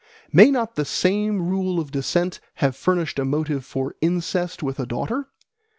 May not the same rule of descent have furnished a motive for incest with a daughter?